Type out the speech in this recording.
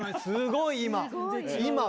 すごい今。